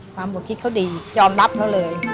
ความบวกคิดเขาดียอมรับเขาเลย